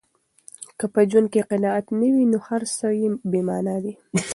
که په ژوند کې قناعت نه وي، نو هر څه بې مانا دي.